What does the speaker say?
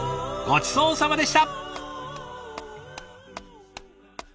ごちそうさまでした。